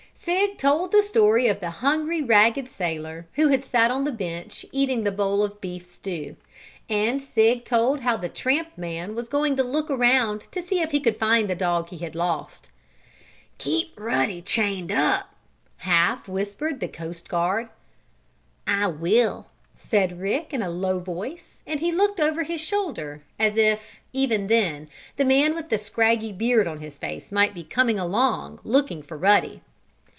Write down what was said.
Sig told the story of the hungry, ragged sailor who sat on the bench eating the bowl of beef stew. And Sig told how the tramp man was going to look around to see if he could find the dog he had lost. "Keep Ruddy chained up!" half whispered the coast guard. "I will!" said Rick in a low voice, and he looked over his shoulder as if, even then, the man with the scraggy beard on his face might be coming along, looking for Ruddy.